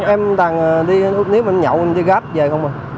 em đang đi nếu mình nhậu thì đi gấp về không mà